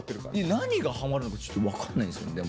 何がハマるのかちょっと分かんないんですよでも。